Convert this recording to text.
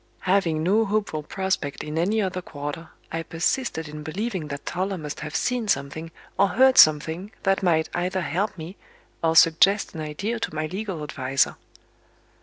Having no hopeful prospect in any other quarter, I persisted in believing that Toller must have seen something or heard something that might either help me, or suggest an idea to my legal adviser.